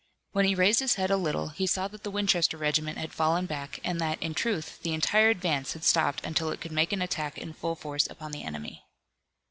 When he raised his head a little he saw that the Winchester regiment had fallen back, and that, in truth, the entire advance had stopped until it could make an attack in full force upon the enemy.